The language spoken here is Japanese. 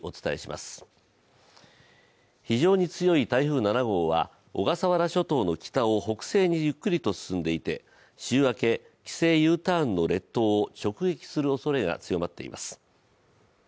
非常に強い台風７号は小笠原諸島の北を北西にゆっくりと進んでいて週明け、帰省Ｕターンの列島を直撃するおそれが強まっています。